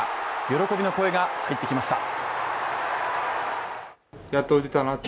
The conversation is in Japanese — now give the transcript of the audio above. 喜びの声が入ってきました。